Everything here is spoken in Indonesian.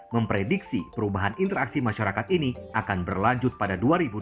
memprediksi perubahan interaksi masyarakat ini akan berlanjut pada dua ribu dua puluh